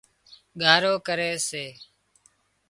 ڳارو ڪري سي